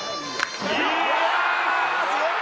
「いやあーすごい！」